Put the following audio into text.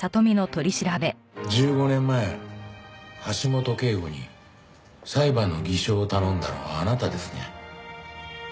１５年前橋本圭吾に裁判の偽証を頼んだのはあなたですね？